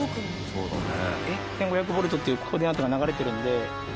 そうだね。